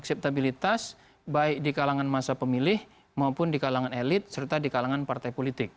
akseptabilitas baik di kalangan masa pemilih maupun di kalangan elit serta di kalangan partai politik